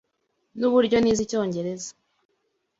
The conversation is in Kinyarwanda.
Nuburyo nize Icyongereza.